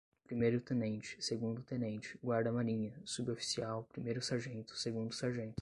Primeiro-Tenente, Segundo-Tenente, Guarda-Marinha, Suboficial, Primeiro-Sargento, Segundo-Sargento